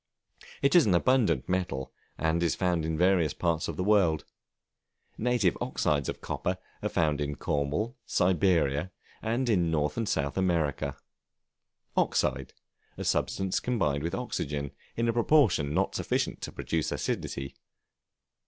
It is an abundant metal, and is found in various parts of the world. Native oxides of copper are found in Cornwall, Siberia, and in North and South America. Oxide, a substance combined with Oxygen, in a proportion not sufficient to produce acidity.